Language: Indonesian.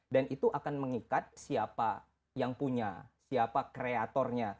dan itu akan mengikat siapa yang punya siapa kreatornya